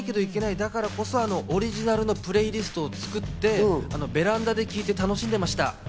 だからこそオリジナルのプレイリストを作ってベランダで聴いて楽しんでました。